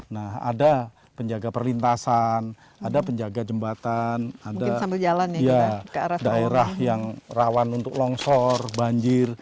nah ada penjaga perlintasan ada penjaga jembatan ada daerah yang rawan untuk longsor banjir